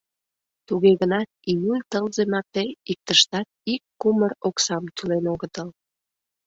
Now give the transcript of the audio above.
Туге гынат июль тылзе марте иктыштат ик кумыр оксам тӱлен огытыл.